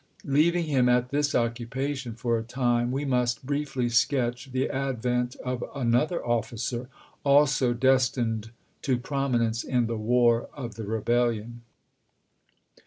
Leav ing him at this occupation for a time, we must briefly sketch the advent of another officer, also destined to prominence in the War of the Rebel lion.